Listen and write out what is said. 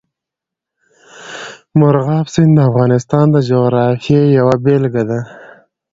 مورغاب سیند د افغانستان د جغرافیې یوه بېلګه ده.